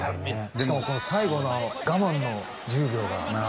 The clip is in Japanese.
しかもこの最後の我慢の１０秒がああ